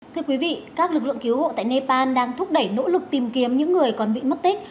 thưa quý vị các lực lượng cứu hộ tại nepal đang thúc đẩy nỗ lực tìm kiếm những người còn bị mất tích